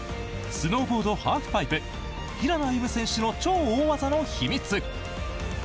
スノーボードハーフパイプ平野歩夢選手の超大技の秘密。